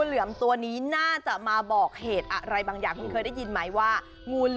แล้วพอหันมันจะหยุดอะไรก็เหรอ